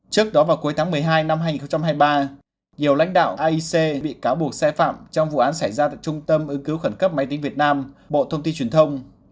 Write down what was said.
trước đó vào cuối tháng một mươi hai năm hai nghìn hai mươi ba nhiều lãnh đạo aic bị cáo buộc sai phạm trong vụ án xảy ra tại trung tâm ứng cứu khẩn cấp máy tính việt nam bộ thông tin truyền thông